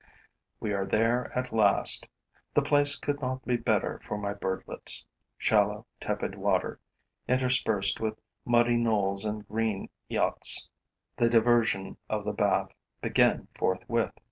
We are there at last. The place could not be better for my birdlets; shallow, tepid water, interspersed with muddy knolls and green eyots. The diversions of the bath begin forthwith.